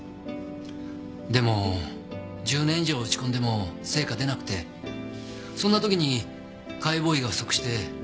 でも１０年以上打ち込んでも成果出なくてそんな時に解剖医が不足して声がかかって。